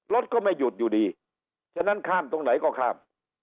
รถก็ไม่หยุดอยู่ดีฉะนั้นข้ามตรงไหนก็ข้าม